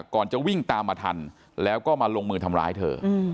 ก่อนจะวิ่งตามมาทันแล้วก็มาลงมือทำร้ายเธอ